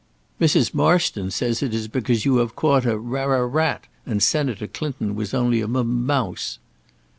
"Mrs. Marston says it is because you have caught a ra ra rat, and Senator Clinton was only a m m mouse!"